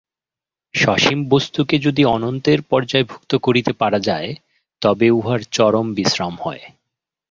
সসীম বস্তুকে যদি অনন্তের পর্যায়ভুক্ত করিতে পারা যায়, তবে উহার চরম বিশ্রাম হয়।